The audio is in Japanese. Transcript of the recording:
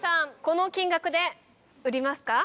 この金額で売りますか？